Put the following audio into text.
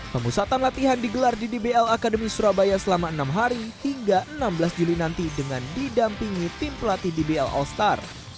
pemusatan latihan digelar di dbl academy surabaya selama enam hari hingga enam belas juli nanti dengan didampingi tim pelatih dbl all star